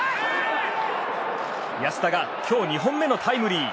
安田が今日２本目のタイムリー。